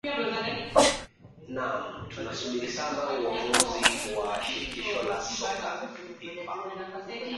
naam tunasubiri sana uamuzi wa shirikisho la soka fifa